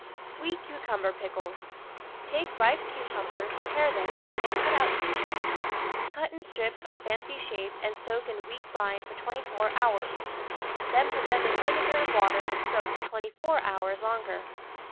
SWEET CUCUMBER PICKLES Take ripe cucumbers, pare them, and cut out the seeds ; cut in strips or fancy shape and soak in weak brine for twenty four hours, then put them in vine gar and water and soak for twenty four hours longer.